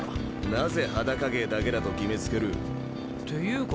なぜ裸芸だけだと決めつける？っていうか